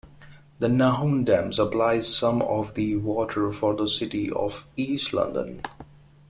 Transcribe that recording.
The Nahoon Dam supplies some of the water for the city of East London.